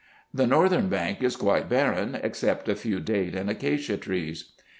The northern bank is quite barren, except a few date and acacia trees.